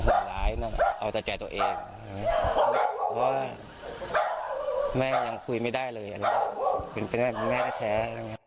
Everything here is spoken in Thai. ก็ห่วงหลายน่ะเอาแต่ใจตัวเองเพราะว่าแม่ยังคุยไม่ได้เลยเป็นแม่แท้